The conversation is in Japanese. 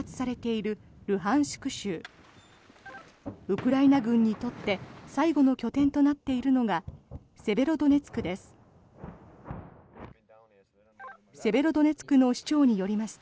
ウクライナ軍にとって最後の拠点となっているのがセベロドネツクです。